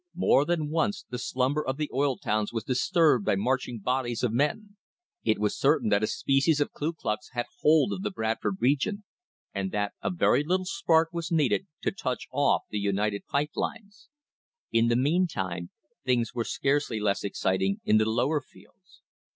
More than once the slumber of the oil towns was disturbed by marching bodies of men. It was certain that a species of Kuklux had hold of the Bradford region, and that a very little spark was needed to touch off the United Pipe Lines. In the meantime things were scarcely less exciting in the Lower Fields.